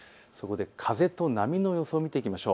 風と波の予想を見ていきましょう。